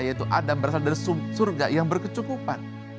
yaitu adam berasal dari surga yang berkecukupan